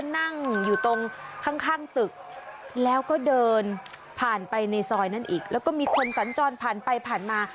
มีคนผ่านไปในซอยนั้นอีกแล้วก็มีคนสัญจรผ่านไปผ่านมา